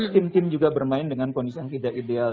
tim tim juga bermain dengan kondisi yang tidak ideal